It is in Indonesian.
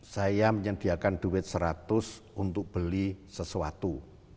saya menyediakan duit seratus untuk beli sesuatu